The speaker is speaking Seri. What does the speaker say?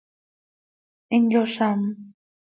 Hin yozám.